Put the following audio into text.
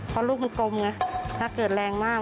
เพราะลูกมันกลมไงถ้าเกิดแรงมาก